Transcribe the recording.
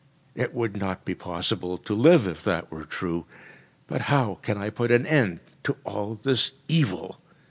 It would not be possible to live if that were true. But how can I put an end, to all this evil?